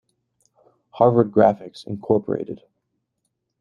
Harvard Graphics, Inc.